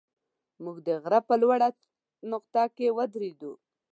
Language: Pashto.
موږ د غره په لوړه نقطه کې ودرېدو.